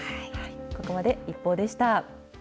ここまでＩＰＰＯＵでした。